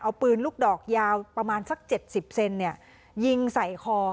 เอาปืนลูกดอกยาวประมาณสัก๗๐เซนยิงใส่คอ